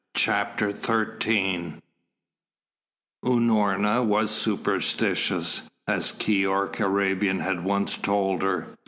CHAPTER XIII Unorna was superstitious, as Keyork Arabian had once told her.